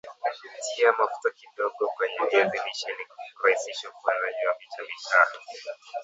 Tia mafuta kidogo kwenye viazi lishe ili kurahisisha ufyonzaji wa vitamini A